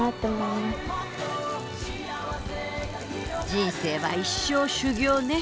人生は一生修行ね。